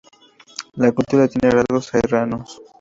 La cultura tiene rasgos serranos.